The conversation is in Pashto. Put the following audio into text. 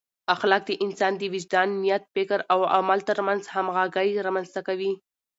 اخلاق د انسان د وجدان، نیت، فکر او عمل ترمنځ همغږۍ رامنځته کوي.